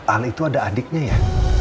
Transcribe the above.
ali itu ada adiknya ya